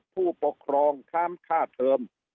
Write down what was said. ผู้ปกครองค้ามค่าเทอม